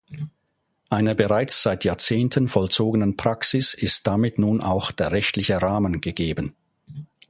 Einer bereits seit Jahrzehnten vollzogenen Praxis ist damit nun auch der rechtliche Rahmen gegeben.